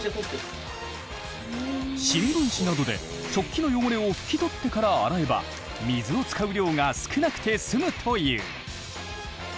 新聞紙などで食器の汚れをふきとってから洗えば水を使う量が少なくて済むという。